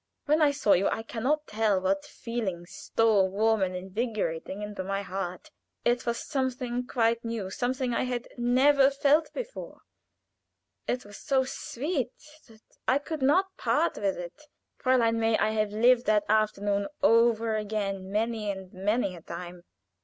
When I saw you I can not tell what feeling stole warm and invigorating into my heart; it was something quite new something I had never felt before: it was so sweet that I could not part with it. Fräulein May, I have lived that afternoon over again many and many a time.